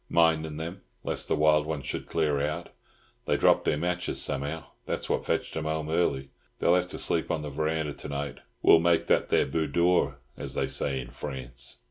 "Minding them lest the wild ones should clear out. They dropped their matches somehow; that's what fetched 'em home early. They'll have to sleep on the verandah to night. We'll make that their boodore, as they say in France."